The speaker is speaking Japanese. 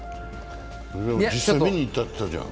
実際見に行ったって言ってたじゃん。